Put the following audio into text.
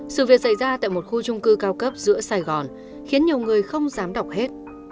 sự việc xảy ra tại một khu trung cư cao cấp giữa sài gòn khiến nhiều người không dám đọc hết